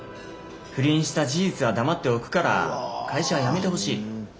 不倫した事実は黙っておくから会社を辞めてほしい。